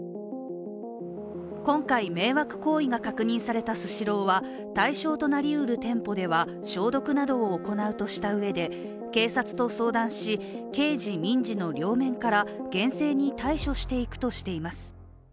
今回、迷惑行為が確認されたスシローは対象となりうる店舗では消毒などを行うとしたうえで警察と相談し、刑事・民事の両面から厳正に対処していくとしています。